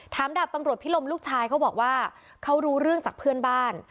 ดาบตำรวจพิลมลูกชายเขาบอกว่าเขารู้เรื่องจากเพื่อนบ้าน